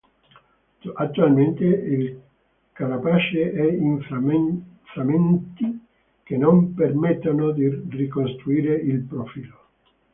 Attualmente, il carapace è in frammenti che non permettono di ricostruirne il profilo.